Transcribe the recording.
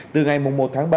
từ ngày một tháng bảy